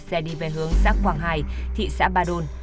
xe đi về hướng xác quảng hải thị xã ba đôn